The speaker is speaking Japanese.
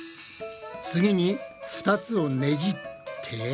次に２つをねじって。